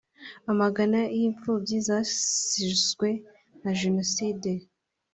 Amagana y’imfubyi zasizwe na Jenoside